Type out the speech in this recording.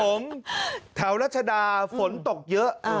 ผมแถวรัชดาฝนตกเยอะ